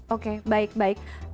oke baik baik